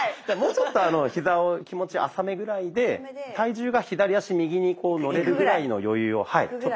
じゃあもうちょっとヒザを気持ち浅めぐらいで体重が左足右にのれるぐらいの余裕を。